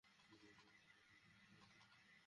ওর থেকে দূরে সর!